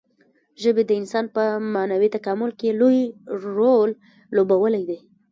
ژبې د انسان په معنوي تکامل کې لوی رول لوبولی دی.